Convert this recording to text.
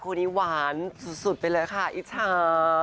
คนนี้หวานสุดไปเลยค่ะอิจฉา